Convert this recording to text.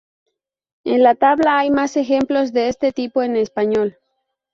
En la tabla hay más ejemplos de este tipo en español.